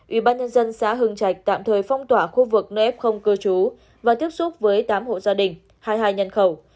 ủy ban nhân dân xá hương trạch tạm thời phong tỏa khu vực nơi ép không cơ chú và tiếp xúc với tám hộ gia đình hai mươi hai nhân khẩu